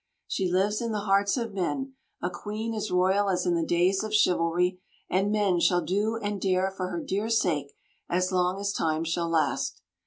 She lives in the hearts of men, a queen as royal as in the days of chivalry, and men shall do and dare for her dear sake as long as time shall last.